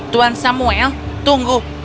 tuan samuel tunggu